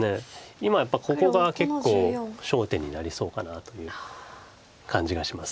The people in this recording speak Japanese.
今やっぱりここが結構焦点になりそうかなという感じがします。